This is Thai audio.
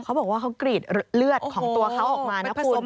เขาบอกว่าเขากรีดเลือดของตัวเขาออกมานะคุณ